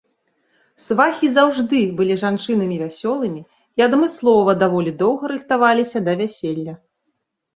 Свахі заўжды былі жанчынамі вясёлымі і адмыслова даволі доўга рыхтаваліся да вяселля.